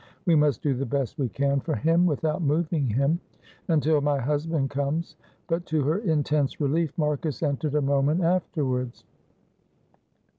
We must do the best we can for him, without moving him, until my husband comes." But to her intense relief Marcus entered a moment afterwards.